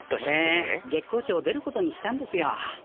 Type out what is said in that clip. オレ月光町を出ることにしたんですよ。